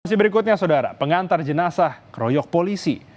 masih berikutnya saudara pengantar jenazah keroyok polisi